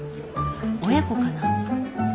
親子かな？